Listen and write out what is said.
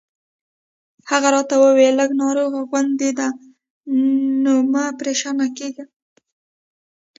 هغې راته وویل: لږ ناروغه غوندې ده، نو مه پرېشانه کېږه.